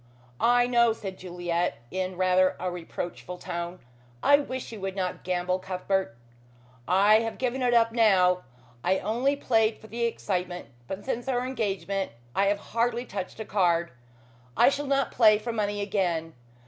"I know," said Juliet in rather a reproachful tone. "I wish you would not gamble, Cuthbert." "I have given it up now. I only played for the excitement, but since our engagement I have hardly touched a card. I shall not play for money again.